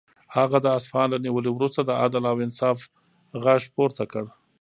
هغه د اصفهان له نیولو وروسته د عدل او انصاف غږ پورته کړ.